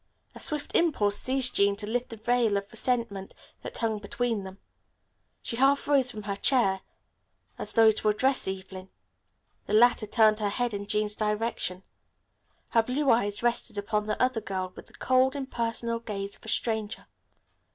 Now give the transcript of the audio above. A swift impulse seized Jean to lift the veil of resentment that hung between them. She half rose from her chair as though to address Evelyn. The latter turned her head in Jean's direction. Her blue eyes rested upon the other girl with the cold, impersonal gaze of a stranger.